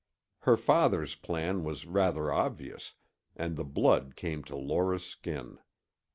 Her father's plan was rather obvious, and the blood came to Laura's skin.